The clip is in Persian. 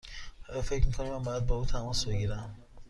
آیا فکر می کنی من باید با او تماس بگیرم؟